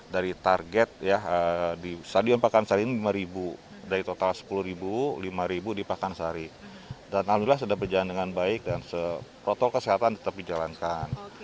dari target ya di stadion pakansari ini lima dari total sepuluh lima ribu di pakansari dan alhamdulillah sudah berjalan dengan baik dan protokol kesehatan tetap dijalankan